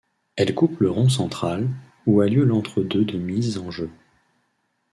Elle coupe le rond central, où a lieu l'entre-deux de mise en jeu.